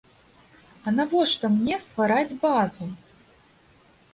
А навошта мне ствараць базу?